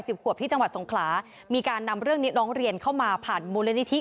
สวัสดีจังหวัดฟรั้งขามีการนำเรื่องนี้น้องเรียนเข้ามาผ่านมงละนิธิ